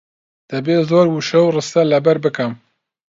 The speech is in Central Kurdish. دەبێت زۆر وشە و ڕستە لەبەر بکەم.